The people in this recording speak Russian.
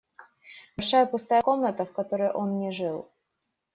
Большая пустая комната, в которой он не жил.